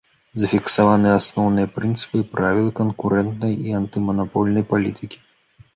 Зафіксаваныя асноўныя прынцыпы і правілы канкурэнтнай і антыманапольнай палітыкі.